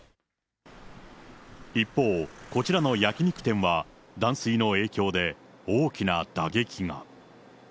一方、こちらの焼き肉店は、断水の影響で大きな打撃が。